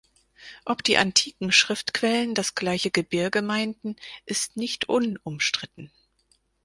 Ob die antiken Schriftquellen das gleiche Gebirge meinten, ist nicht unumstritten.